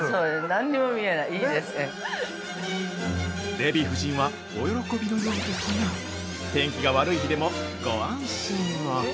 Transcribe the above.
◆デヴィ夫人はお喜びのようですが天気が悪い日でもご安心を。